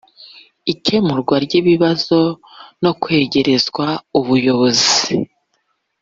ikemurwa ry’ibibazo no kwegerezwa ubuyobozi